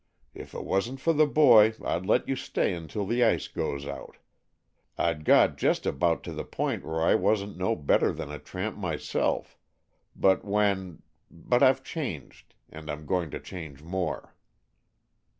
If it wasn't for the boy I'd let you stay until the ice goes out. I'd got just about to the point where I wasn't no better than a tramp myself, but when but I've changed, and I'm going to change more."